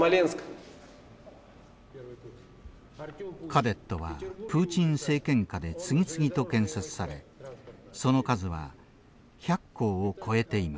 カデットはプーチン政権下で次々と建設されその数は１００校を超えています。